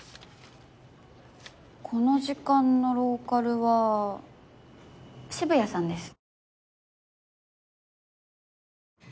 この時間のローカルは渋谷さんです。